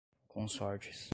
consortes